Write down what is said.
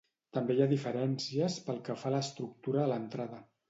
També hi ha diferències pel que fa a l'estructura de l'entrada.